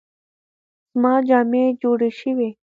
زما جامې جوړې شوې؟